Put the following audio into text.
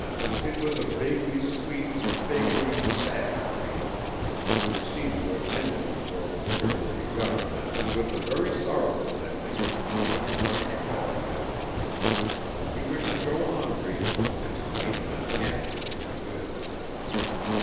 It was a vaguely sweet, vaguely sad dream, which seemed to have ended before it was fairly begun, with a very sorrowful ending which he couldn't quite recall yet. He wished to go on dreaming, and to change the end if he could.